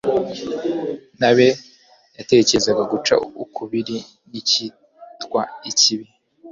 ntabe yatekereza guca ukubiri n'icyitwa ikibi